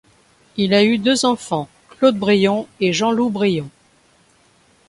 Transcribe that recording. Il a eu deux enfants Claude Braillon et Jean-Loup Braillon.